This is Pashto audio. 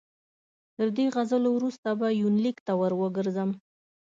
تر دې غزلو وروسته به یونلیک ته ور وګرځم.